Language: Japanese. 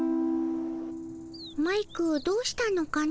マイクどうしたのかの。